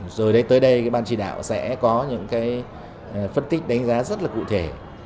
rồi tới đây cái ban trì đạo sẽ có những cái phân tích đánh giá rất là cụ thể